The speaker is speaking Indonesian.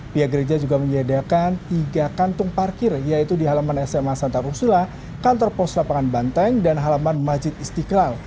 pihak gereja juga menyediakan tiga kantung parkir yaitu di halaman sma santa rusula kantor pos lapangan banteng dan halaman majid istiqlal